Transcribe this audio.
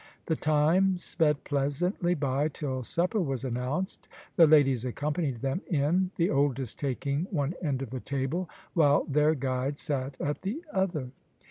The time sped pleasantly by till supper was announced. The ladies accompanied them in, the oldest taking one end of the table, while their guide sat at the other.